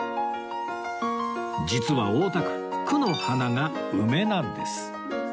実は大田区区の花が梅なんです